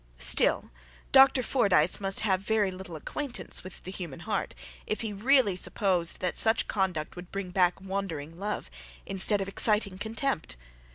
Still Dr. Fordyce must have very little acquaintance with the human heart, if he really supposed that such conduct would bring back wandering love, instead of exciting contempt.